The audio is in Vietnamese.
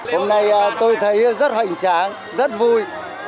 hôm nay tôi thấy rất hoành tráng rất vui